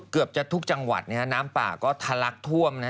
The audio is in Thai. เกือบจะทุกจังหวัดนะฮะน้ำป่าก็ทะลักท่วมนะ